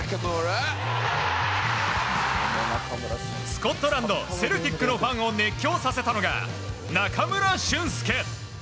スコットランドセルティックのファンを熱狂させたのが中村俊輔。